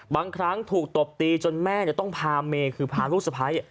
บางครั้งถูกตบตีจนแม่ต้องพาเมย์คือพาลูกสะพ้าย